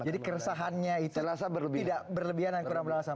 jadi keresahannya itu tidak berlebihan dan kurang berlebihan